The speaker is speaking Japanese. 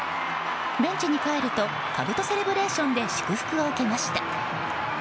ベンチに帰るとかぶとセレブレーションで祝福を受けました。